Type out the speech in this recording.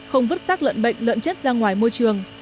không vứt sát lợn bệnh lợn chết ra ngoài môi trường